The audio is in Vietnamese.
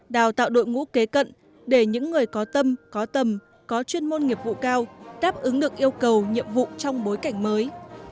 đào tạo đội ngũ kế cận để những người có tâm có tầm có chuyên môn nghiệp vụ cao đáp ứng được yêu cầu nhiệm vụ trong bối cảnh mới